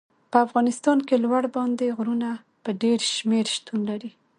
په افغانستان کې لوړ پابندي غرونه په ډېر شمېر شتون لري.